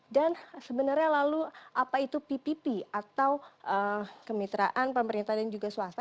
dan sebenarnya lalu apa itu ppp atau kemitraan pemerintah dan juga swasta